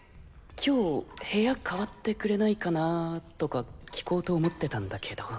今日部屋代わってくれないかなとか聞こうと思ってたんだけど。